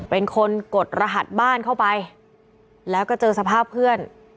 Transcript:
เป็นคนกดรหัสบ้านเข้าไปแล้วก็เจอสภาพเพื่อน